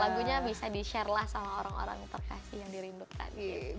lagunya bisa di share lah sama orang orang terkasih yang dirindukan